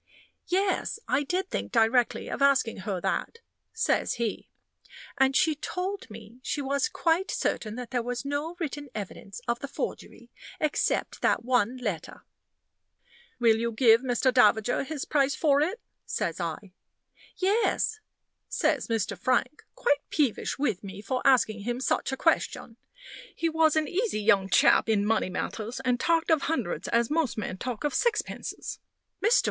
"Yes, I did think directly of asking her that," says he; "and she told me she was quite certain that there was no written evidence of the forgery except that one letter." "Will you give Mr. Davager his price for it?" says I. "Yes," says Mr. Frank, quite peevish with me for asking him such a question. He was an easy young chap in money matters, and talked of hundreds as most men talk of sixpences. "Mr.